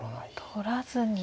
取らずに。